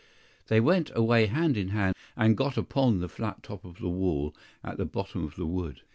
THEY went away hand in hand, and got upon the flat top of the wall at the bottom of the wood.